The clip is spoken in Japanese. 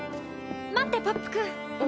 待ってポップくん。